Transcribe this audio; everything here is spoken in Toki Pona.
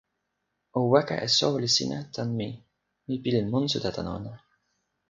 o weka e soweli sina tan mi. mi pilin monsuta tan ona.